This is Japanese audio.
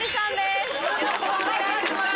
よろしくお願いします。